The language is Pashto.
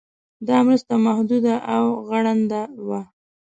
دا مرسته محدوده او غړنده وه.